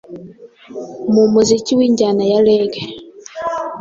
mu muziki w’injyana ya Reggae